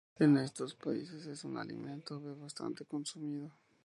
En estos países es un alimento bastante consumido.